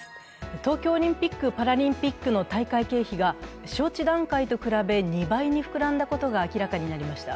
東京オリンピック・パラリンピックの大会経費が招致段階と比べ２倍に膨らんだことが明らかになりました。